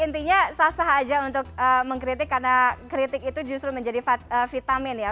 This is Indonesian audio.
intinya sah sah aja untuk mengkritik karena kritik itu justru menjadi vitamin ya